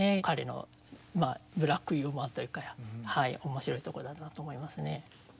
彼のブラックユーモアというか面白いところだなと思いますね。